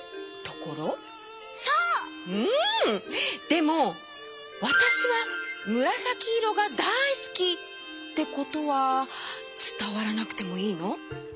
でも「わたしはむらさきいろがだいすき」ってことはつたわらなくてもいいの？